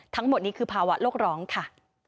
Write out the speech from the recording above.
ทั้งหมดนี้คือภาวะโลกร้องค่ะ